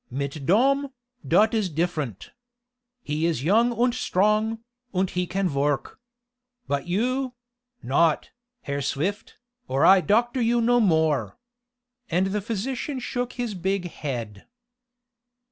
Mit Dom, dot is different. He is young und strong, und he can vork. But you not, Herr Swift, or I doctor you no more." And the physician shook his big head.